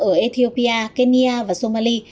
ở ethiopia kenya và somali